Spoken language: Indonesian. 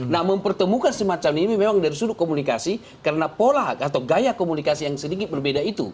nah mempertemukan semacam ini memang dari sudut komunikasi karena pola atau gaya komunikasi yang sedikit berbeda itu